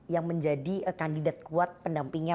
yang menjadi kandidat kuat pendampingnya